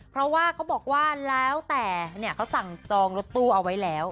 เพราะว่าเขาบอกว่าแล้วแต่เขาสั่งจองรถตู้เอาไว้แล้ว